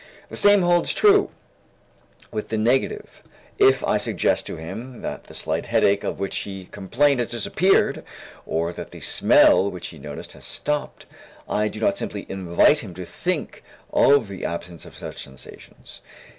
The same holds true with the negative; if I suggest to him that the slight headache of which he complained has disappeared or that the smell which he noticed has stopped, I do not simply invite him to think of the absence of such sensations.